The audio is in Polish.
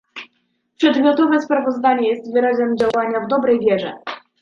Przedmiotowe sprawozdanie jest wyrazem działania w dobrej wierze